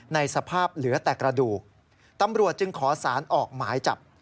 ในสภาพเหลือแต่กระดูกตำรวจจึงขอสารออกหมายจับ